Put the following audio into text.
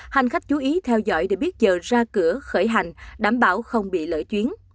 hành khách chú ý theo dõi để biết chờ ra cửa khởi hành đảm bảo không bị lỡ chuyến